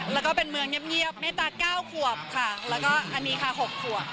แล้วก็เป็นเมืองเงียบเมตตา๙ขวบค่ะแล้วก็อันนี้ค่ะ๖ขวบ